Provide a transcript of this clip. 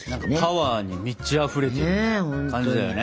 パワーに満ちあふれてる感じだよね。